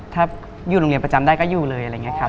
ถ้าอยู่โรงเรียนประจำได้ก็อยู่เลยอะไรอย่างนี้ครับ